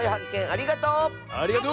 ありがとう！